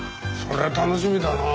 それは楽しみだなあ。